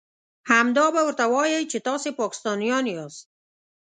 همدا به ورته وايئ چې تاسې پاکستانيان ياست.